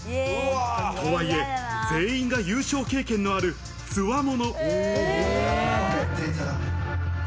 とはいえ、全員が優勝経験のある強者。